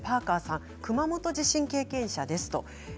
熊本地震経験者です。